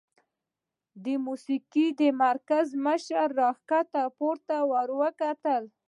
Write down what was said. د موسيقۍ د مرکز مشر ښکته پورته ورته وکتل